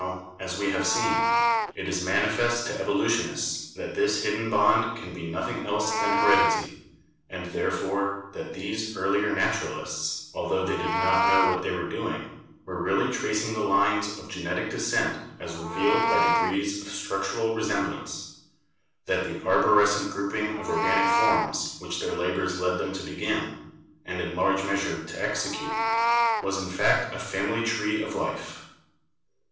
Now, as we have seen, it is manifest to evolutionists that this hidden bond can be nothing else than heredity, and, therefore, that these earlier naturalists, altho they did not know what they were doing, were really tracing the lines of genetic descent as revealed by degrees of structural resemblance — that the arborescent grouping of organic forms which their labors led them to begin, and in large measure to execute, was in fact a family tree of life.